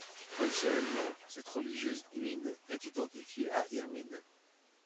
Traditionnellement, cette religieuse Immine est identifié à Irmine.